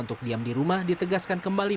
untuk diam di rumah ditegaskan kembali